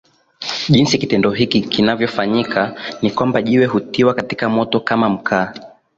jinsi kitendo hiki kinavyofanyika ni kwamba Jiwe hutiwa katika moto kama mkaaa